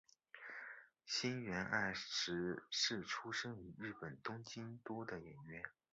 筱原爱实是出身于日本东京都的演员。